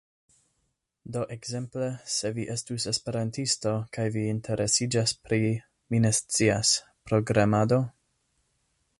Do ekzemple, se vi estus esperantisto kaj vi interesiĝas pri, mi ne scias, programado